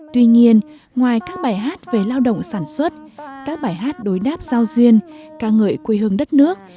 tuy nhiên ngoài các bài hát về lao động sản xuất các bài hát đối đáp giao duyên ca ngợi quê hương đất nước